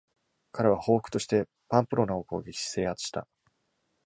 彼は、報復としてパンプロナを攻撃し、制圧した。